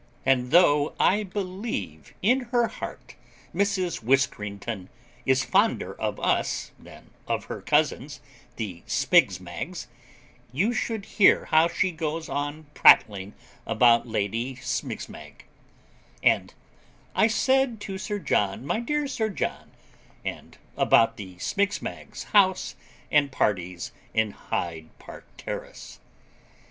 And though I believe in her heart Mrs. Whiskerington is fonder of us than of her cousins, the Smigsmags, you should hear how she goes on prattling about Lady Smigsmag, and 'I said to Sir John, my dear John;' and about the Smigsmags' house and parties in Hyde Park Terrace.